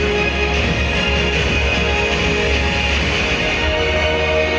เมื่อเวลาอันดับสุดท้ายมันกลายเป้าหมายเป้าหมาย